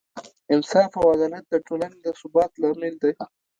انصاف او عدالت د ټولنې د ثبات لامل دی.